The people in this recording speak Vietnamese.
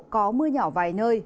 có mưa nhỏ vài nơi